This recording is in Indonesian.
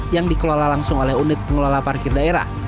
yang dikelola langsung oleh unit pengelola parkir daerah